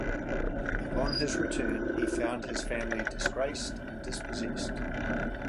Upon his return, he found his family disgraced and dispossessed.